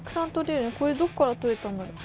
これどっから取れたんだろう？